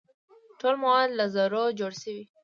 ټول مواد له ذرو جوړ شوي.